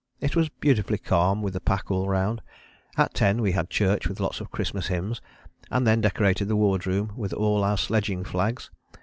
It was beautifully calm with the pack all round. At 10 we had church with lots of Christmas hymns, and then decorated the ward room with all our sledging flags.